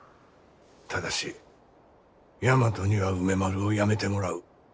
ただし大和には梅丸をやめてもらう。